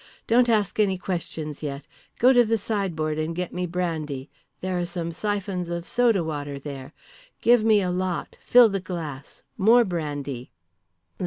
Don't ask any questions yet. Go to the sideboard and get me brandy; there are some syphons of soda water there. Give me a lot, fill the glass; more brandy."